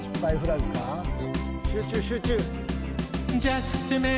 集中集中。